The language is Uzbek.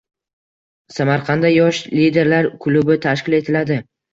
Samarqandda yosh liderlar klubi tashkil etiladi